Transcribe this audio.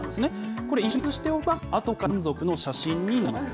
これ、一緒に写しておけば、あとから満足の写真になります。